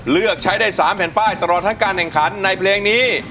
เลือกใช้ได้๓แผ่นป้ายตลอดทั้งการแข่งขันในเพลงนี้